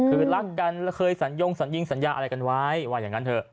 คือรักกันแล้วเคยสัญญงสัญญิงสัญญาอะไรกันไว้ว่าอย่างนั้นเถอะ